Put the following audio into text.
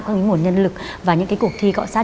các môn nhân lực và những cuộc thi gọi sát